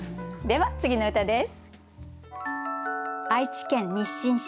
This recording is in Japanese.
では次の歌です。